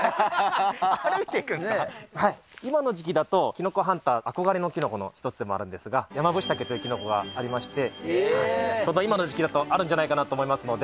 今の時期だと、キノコハンター憧れのキノコの一つでもあるんですが、ヤマブシタケというキノコがありまして、ちょうど今の時期だとあるんじゃないかなと思いますので。